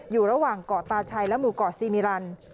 อยู่ระหว่างเกาะตาชัยและหมู่เกาะซีมิรัน